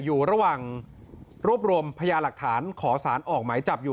อยู่ระหว่างรวบรวมพยาหลักฐานขอสารออกหมายจับอยู่